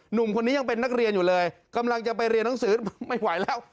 หนุ่มคนนี้ยังเป็นนักเรียนอยู่เลยกำลังจะไปเรียนหนังสือไม่ไหวแล้ว